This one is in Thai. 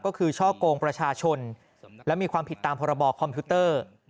ก็คือช่อกงประชาชนและมีความผิดตามพรบคอมพิวเตอร์